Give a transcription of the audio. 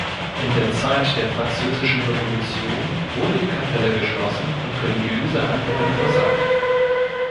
In der Zeit der Französischen Revolution wurde die Kapelle geschlossen und religiöse Handlungen untersagt.